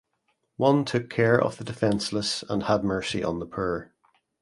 One took care of the defenseless and had mercy on the poor.